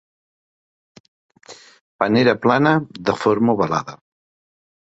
Panera plana de forma ovalada.